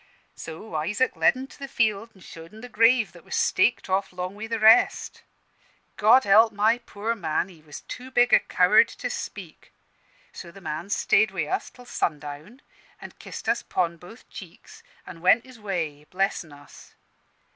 "So Isaac led 'en to the field and showed 'en the grave that was staked off 'long wi' the rest. God help my poor man! he was too big a coward to speak. So the man stayed wi' us till sundown, an' kissed us 'pon both cheeks, an' went his way, blessin' us.